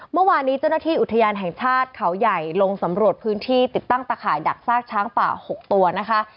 เมื่อวานนี้เจ้าหน้าที่อุทยานแห่งชาติเขาใหญ่ลงสำรวจพื้นที่ติดตั้งตะข่ายดักซากช้างป่า๖ตัวนะคะ